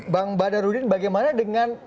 bang badarudin bagaimana dengan